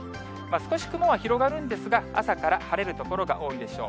少し雲は広がるんですが、朝から晴れる所が多いでしょう。